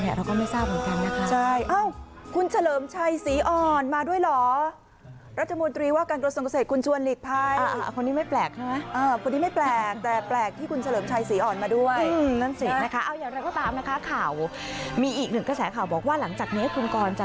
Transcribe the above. แต่พูดอะไรเราก็ไม่ทราบเหมือนกันนะคะ